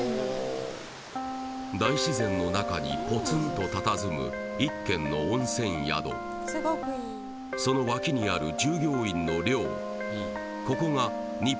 大自然の中にぽつんとたたずむ一軒の温泉宿その脇にある従業員の寮